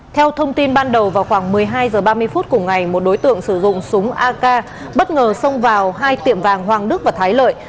theo thông tin ban đầu vào khoảng một mươi hai h ba mươi phút cùng ngày một đối tượng sử dụng súng ak bất ngờ xông vào hai tiệm vàng hoàng đức và thái lợi